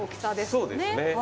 そうですね。